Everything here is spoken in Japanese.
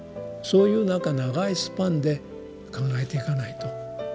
そういうなんか長いスパンで考えていかないと。